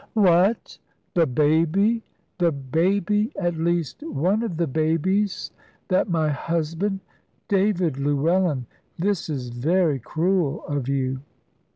"What! The baby! The baby at least one of the babies that my husband David Llewellyn, this is very cruel of you."